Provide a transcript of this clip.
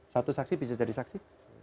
satu saksi bisa jadi saksi